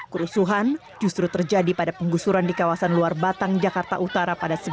kerusuhan justru terjadi pada penggusuran di kawasan luar batang jakarta utara pada sebelas april dua ribu enam belas